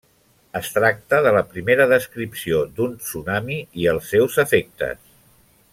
Es tracta de la primera descripció d'un tsunami i els seus efectes.